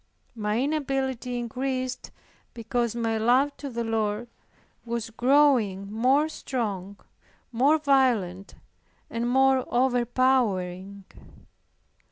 My inability increased because my love to the Lord was growing more strong, more violent and more overpowering.